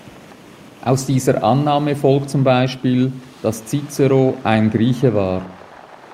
Aus dieser Annahme folgt zum Beispiel, dass Cicero ein Grieche war.